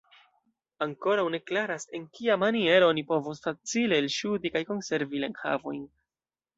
Ankoraŭ ne klaras, en kia maniero oni povos facile elŝuti kaj konservi la enhavojn.